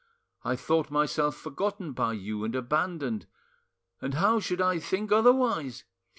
I thought myself forgotten by you and abandoned; and how should I think otherwise?